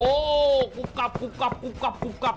โอ้โหกุบกับกุบกับกุบกับกุบกับ